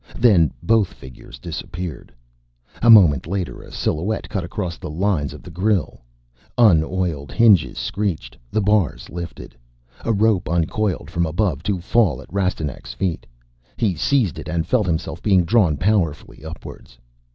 Then both figures disappeared. A moment later a silhouette cut across the lines of the grille. Unoiled hinges screeched; the bars lifted. A rope uncoiled from above to fall at Rastignac's feet. He seized it and felt himself being drawn powerfully upwards.